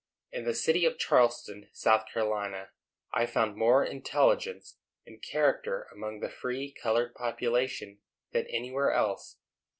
In the city of Charleston, South Carolina, I found more intelligence and character among the free colored population than anywhere else.